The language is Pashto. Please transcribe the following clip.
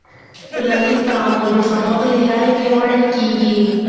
ټولنیز تعامل د خبرو له لارې پیاوړی کېږي.